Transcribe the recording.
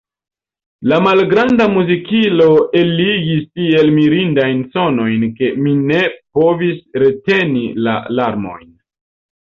La malgranda muzikilo eligis tiel mirindajn sonojn, ke mi ne povis reteni la larmojn.